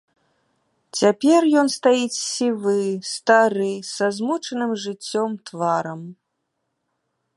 Цяпер ён стаіць, сівы, стары, са змучаным жыццём тварам.